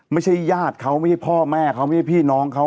ไม่ใช่ญาติเขาไม่ใช่พ่อแม่เขาไม่ใช่พี่น้องเขา